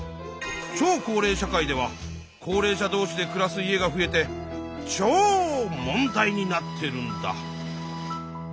超高齢社会では高齢者どうしで暮らす家が増えて超問題になってるんだ。